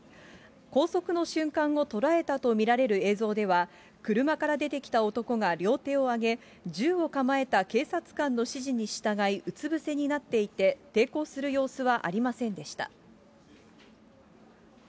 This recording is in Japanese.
拘束の瞬間を捉えたと見られる映像では、車から出てきた男が両手を挙げ、銃を構えた警察官の指示に従い、うつぶせになっていて、抵抗する様子はありませんでした。